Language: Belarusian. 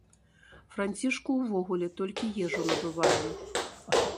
Францішку ўвогуле толькі ежу набываем.